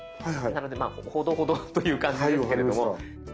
なのでまあほどほどという感じですけれども。